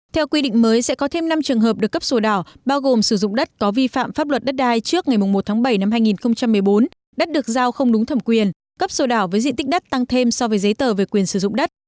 theo quy định mới sẽ có thêm năm trường hợp được cấp sổ đỏ bao gồm sử dụng đất có vi phạm pháp luật đất đai trước ngày một tháng bảy năm hai nghìn một mươi bốn đất được giao không đúng thẩm quyền cấp sổ đỏ với diện tích đất tăng thêm so với giấy tờ về quyền sử dụng đất